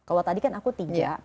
kalau tadi kan aku tinggal